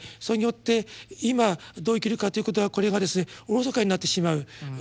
それによって「今どう生きるか」ということはこれがおろそかになってしまう。